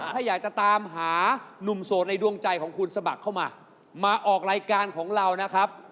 ถ้าอยากจะตามหานุ่มโสดในดวงใจของคุณสมัครเข้ามามาออกรายการของเรานะครับ